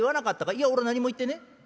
「いやおら何も言ってね」。